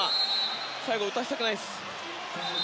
最後打たせたくないです。